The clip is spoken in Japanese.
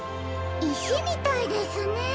いしみたいですね。